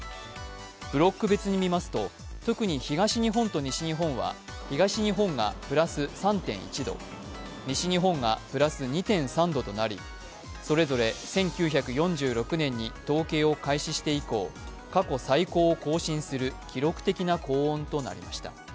ブロック別に見ますと特に東日本と西日本は、東日本がプラス３．１度西日本がプラス２．３度となりそれぞれ１９４６年に統計を開始して以降、過去最高を更新する記録的な高温となりました。